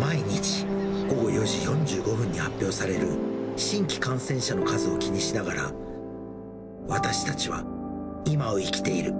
毎日午後４時４５分に発表される新規感染者の数を気にしながら、私たちは今を生きている。